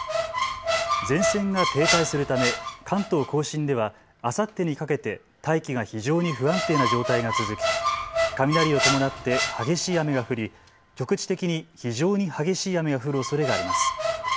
前線が停滞するため関東甲信ではあさってにかけて大気が非常に不安定な状態が続き雷を伴って激しい雨が降り局地的に非常に激しい雨が降るおそれがあります。